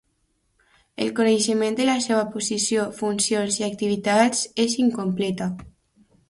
El coneixement de la seva posició, funcions i activitats és incompleta.